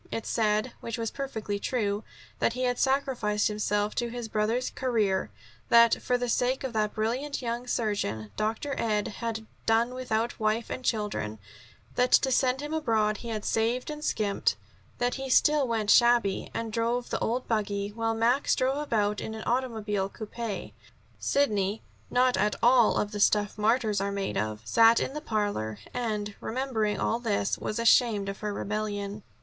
It said which was perfectly true that he had sacrificed himself to his brother's career: that, for the sake of that brilliant young surgeon, Dr. Ed had done without wife and children; that to send him abroad he had saved and skimped; that he still went shabby and drove the old buggy, while Max drove about in an automobile coupe. Sidney, not at all of the stuff martyrs are made of, sat in the scented parlor and, remembering all this, was ashamed of her rebellion.